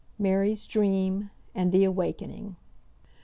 MARY'S DREAM AND THE AWAKENING.